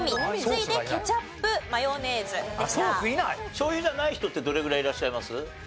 しょうゆじゃない人ってどれぐらいいらっしゃいます？